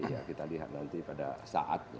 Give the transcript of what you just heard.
ya kita lihat nanti pada saat